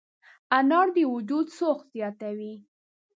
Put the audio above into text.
انار د وجود سوخت زیاتوي.